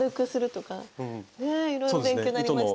いろいろ勉強になりました。